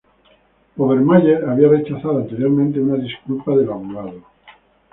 Obermayer había rechazado anteriormente una disculpa del abogado.